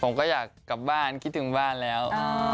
ผมก็อยากกลับบ้านคิดถึงบ้านแล้ว